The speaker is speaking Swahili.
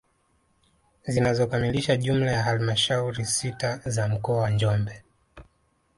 Zinazokamilisha jumla ya halmashauri sita za mkoa wa Njombe